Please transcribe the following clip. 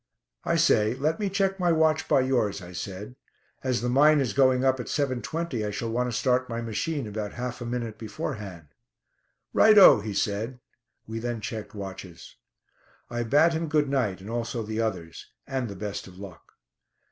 "I say; let me check my watch by yours," I said. "As the mine is going up at 7.20 I shall want to start my machine about half a minute beforehand." "Right o!" he said. We then checked watches. I bade him good night, and also the others, and the best of luck.